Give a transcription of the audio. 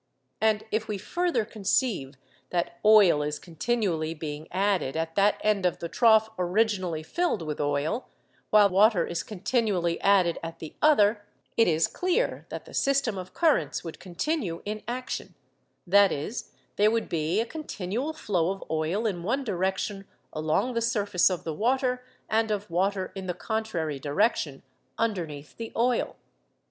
And if we further conceive that oil is continually being added at that end of the trough originally filled with oil, while water is continually added at the other, it is clear that the system of currents would continue in action: that is, there would be a continual flow of oil in one direction along the surface of the water, and of water in the contrary direction underneath the oil.